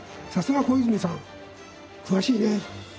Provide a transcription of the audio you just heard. さすが小泉さん詳しいね。